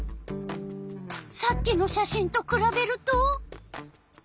さっきの写真とくらべると？